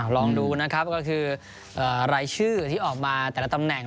ลองดูนะครับก็คือรายชื่อที่ออกมาแต่ละตำแหน่ง